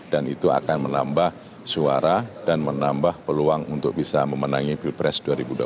dan itu akan menambah suara dan menambah peluang untuk bisa memenangi pilpres dua ribu dua puluh empat